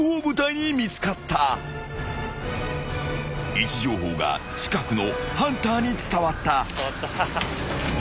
［位置情報が近くのハンターに伝わった］